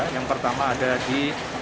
yang pertama ada di